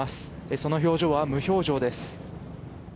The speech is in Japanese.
その表情は無表情です。